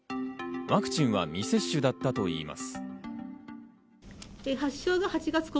ワクチンは未接種だったといいます。